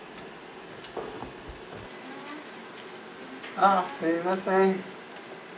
ああ、すみません。